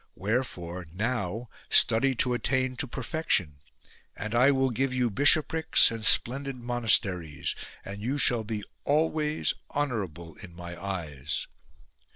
Wherefore now study to attain to perfection ; and I will give you bishoprics and splendid monas teries, and you shall be always honourable in my eyes."